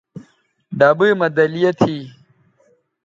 ڈبئ مہ دَلیہ تھی